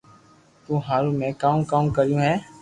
تو ھارو ۾ ڪاو ڪاو ڪريو ھي